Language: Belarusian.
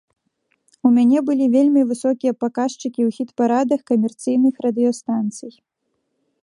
У мяне былі вельмі высокія паказчыкі ў хіт-парадах камерцыйных радыёстанцый.